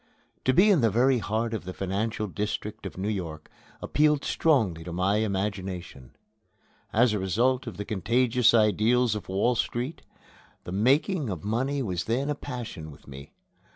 To be in the very heart of the financial district of New York appealed strongly to my imagination. As a result of the contagious ideals of Wall Street, the making of money was then a passion with me.